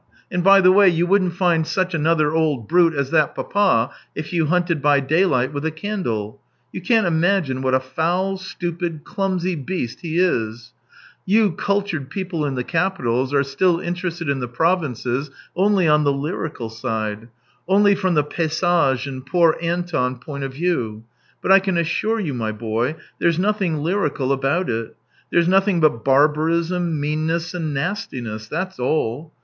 And by the way, you wouldn't find such another old brute as that papa if you hunted by daylight with a candle. You can't imagine what a foul, stupid, clumsy beast he is ! You cultured people in the capitals are still interested in the provinces only on the lyrical side, only from the pay sage and Poor Anton point of view, but I can assure you, my boy, there's nothing lyrical about it; there's nothing but barbarism, meanness, and nastiness — that's all.